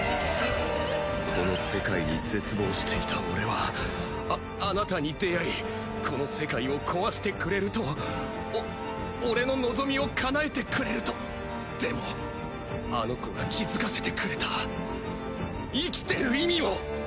この世界に絶望していた俺はああなたに出会いこの世界を壊してくれるとお俺の望みをかなえてくれるとでもあの子が気づかせてくれた生きてる意味を！